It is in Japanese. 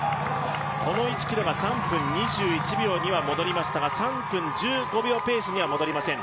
この１ｋｍが３分２１秒には戻りましたが３分１５秒ペースには戻りません。